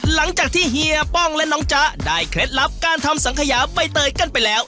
หลังจากที่เฮียป้องและน้องจ๊ะได้เคล็ดลับการทำสังขยาใบเตยกันไปแล้ว